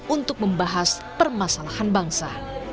untuk membahas permasalahan bangsa